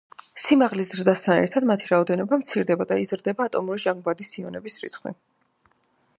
სიმაღლის ზრდასთან ერთად მათი რაოდენობა მცირდება და იზრდება ატომური ჟანგბადის იონების რიცხვი.